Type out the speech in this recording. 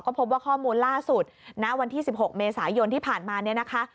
พบว่าข้อมูลล่าสุดณวันที่๑๖เมษายนที่ผ่านมาเนี่ยนะคะ